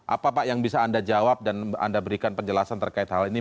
apa pak yang bisa anda jawab dan anda berikan penjelasan terkait hal ini